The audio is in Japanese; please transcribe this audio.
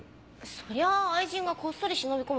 そりゃあ愛人がこっそり忍び込むためでしょ。